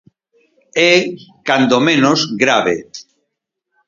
É, cando menos, grave.